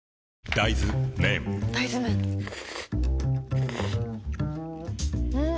大豆麺ん？